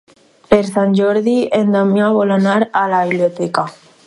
Per Sant Jordi en Damià vol anar a la biblioteca.